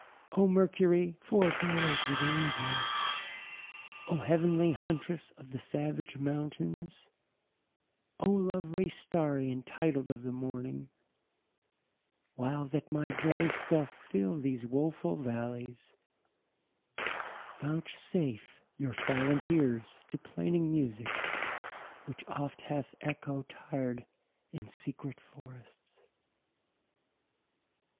0 Mercurie, foregoer to the event ng y 0 heavenlie huntresse of the savage mountaines y 0 lovelie starre y entitled of the morntng y While that my voice doth fill these wo full v allies y Vouchsafe your silent eares to plaining musique y Which oft hath Echo tir'd in secrete forrests.